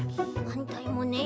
はんたいもね。